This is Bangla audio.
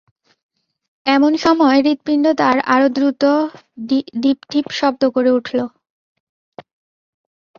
এমন সময় হৃৎপিণ্ড তার আরো দ্রুত টিপচিপ শব্দ করে উঠল।